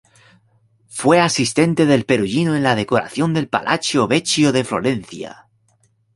Fue asistente del Perugino en la decoración del Palazzo Vecchio de Florencia.